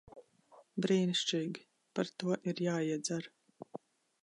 Brīnišķīgi. Par to ir jāiedzer.